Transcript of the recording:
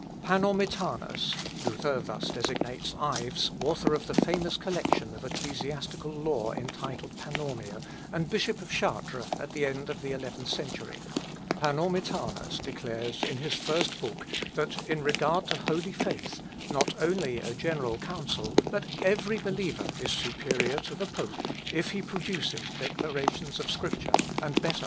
"Panormitanus, (Luther thus designates Ives, author of the famous collection of ecclesiastical law, entitled Panormia, and Bishop of Chartres at the end of the eleventh century,) Panormitanus declares, in his First Book, that in regard to holy faith, not only a General Council, but every believer is superior to the pope, if he produces declarations of Scripture, and better arguments than the pope.